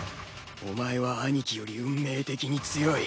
お前は兄貴より運命的に強い。